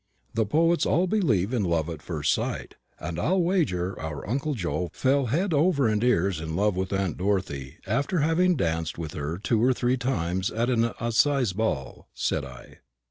"The poets all believe in love at first sight, and I'll wager our dear uncle Joe fell over head and ears in love with aunt Dorothy after having danced with her two or three times at an assize ball," said I.